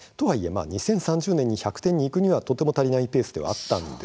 ２０３０年に１００点にいくにはとても足りないペースです。